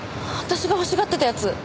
私が欲しがってたやつ！